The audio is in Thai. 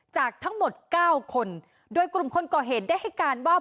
จากทั้งหมดเก้าคนโดยกลุ่มคนก่อเหตุได้ให้การว่า